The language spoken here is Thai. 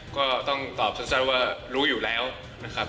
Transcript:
ก็ต้องตอบสั้นว่ารู้อยู่แล้วนะครับ